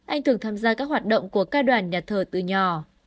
anh thường tham gia các hoạt động của ca đoàn nhà thờ từ nhỏ